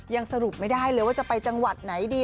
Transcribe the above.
ยังสรุปไม่ได้เลยว่าจะไปจังหวัดไหนดี